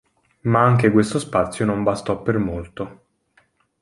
Ma anche questo spazio non bastò per molto.